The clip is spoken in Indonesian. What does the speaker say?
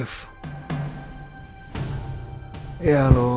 pekan hadiah berusaha